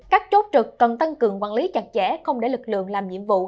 các chốt trực cần tăng cường quản lý chặt chẽ không để lực lượng làm nhiệm vụ